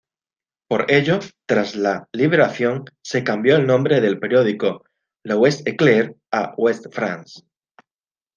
Por ello, tras la Liberación, se cambió el nombre del periódico "L'Ouest-Éclair" a "Ouest-France.